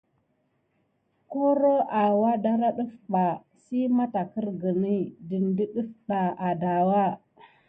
Koro awa dara ɗəf ɓa si matarkirguni de defda adawa.